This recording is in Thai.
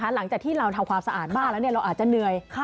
หลังจากที่เราทำความสะอาดบ้านแล้วเราอาจจะเหนื่อย